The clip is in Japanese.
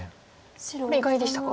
これ意外でしたか？